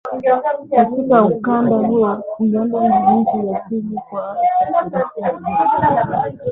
Katika ukanda huo, Uganda ni nchi ya pili kwa usafirishaj